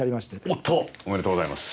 おめでとうございます。